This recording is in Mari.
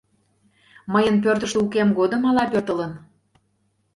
Мыйын пӧртыштӧ укем годым ала пӧртылын?